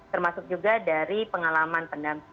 termasuk juga dari pengalaman